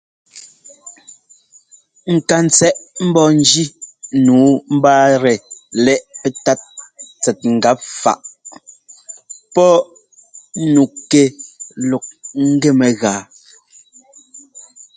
Ŋkantsɛꞌ mbɔ́njí nǔu mbáatɛ lɛ́ꞌ pɛ́tát tsɛt ŋgap faꞌ pɔ́ nu kɛ lɔk ŋ́gɛ mɛgáa.